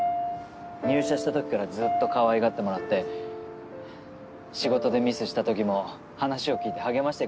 入社した時からずっとかわいがってもらって仕事でミスした時も話を聞いて励ましてくれたんです。